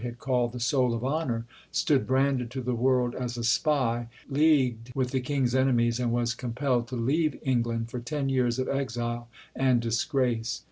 had called "the soul of honour," stood branded to the world as a spy, leagued with the King's enemies, and was compelled to leave England for ten years of exile and disgrace.